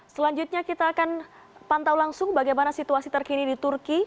selanjutnya kita akan pantau langsung bagaimana situasi terkini di turki